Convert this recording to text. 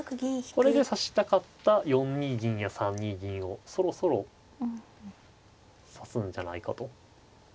これで指したかった４二銀や３二銀をそろそろ指すんじゃないかと。